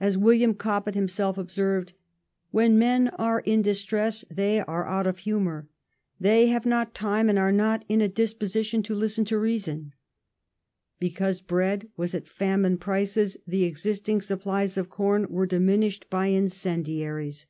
As William Cobbett him Epidemic self observed :" When men are in distress they are out of humour :° '^v®'^ ^^ they have not time and are not in a disposition to listen to reason ".* N Because bread was at famine prices the existing supplies of corn were diminished by incendiaries.